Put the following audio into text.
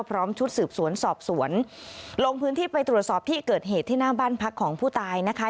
พร้อมชุดสืบสวนสอบสวนลงพื้นที่ไปตรวจสอบที่เกิดเหตุที่หน้าบ้านพักของผู้ตายนะคะ